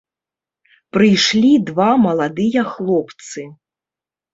Прыйшлі два маладыя хлопцы.